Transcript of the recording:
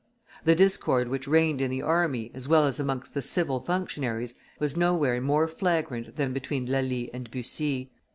The discord which reigned in the army as well as amongst the civil functionaries was nowhere more flagrant than between Lally and Bussy.